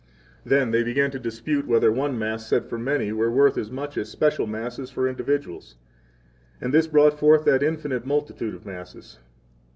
Then they began to dispute whether one Mass said for many were worth as much as special Masses for individuals, and this brought forth that infinite multitude of Masses.